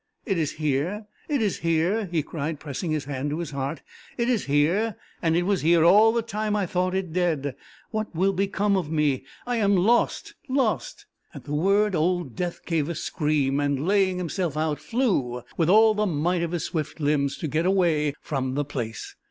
It is here! it is here!" he cried, pressing his hand to his heart. "It is here, and it was here all the time I thought it dead! What will become of me! I am lost, lost!" At the word, old Death gave a scream, and laying himself out, flew with all the might of his swift limbs to get away from the place.